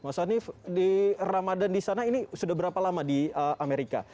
mas hanif di ramadan di sana ini sudah berapa lama di amerika